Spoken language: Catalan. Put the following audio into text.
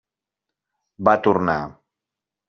Va tornar.